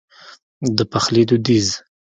د پخلي دوديز